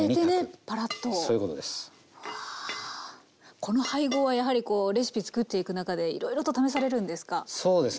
この配合はやはりこうレシピつくっていく中でいろいろと試されるんですか？